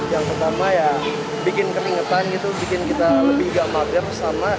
yang pertama ya bikin keringetan gitu bikin kita lebih gak mager sama